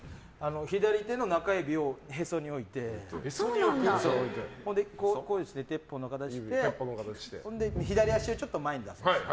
左手の中指をへそに置いてそして、鉄砲の形して左足をちょっと前に出すんです。